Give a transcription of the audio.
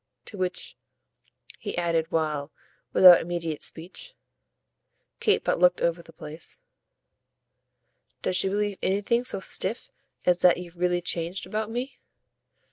To which he added while, without immediate speech, Kate but looked over the place: "Does she believe anything so stiff as that you've really changed about me?"